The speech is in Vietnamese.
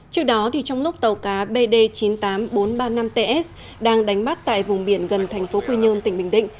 trước đó trong lúc tàu cá bd chín mươi tám nghìn bốn trăm ba mươi năm ts đang đánh bắt tại vùng biển gần thành phố quy nhơn tỉnh bình định